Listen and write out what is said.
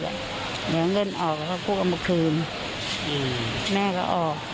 เหลือเงินออกเขาก็ปุ๊บเอามาคืนแม่ก็ออก